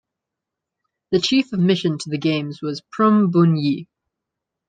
The chief of mission to the games was Prum Bun Yi.